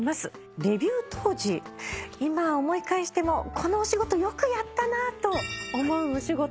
デビュー当時今思い返してもこのお仕事よくやったなと思うお仕事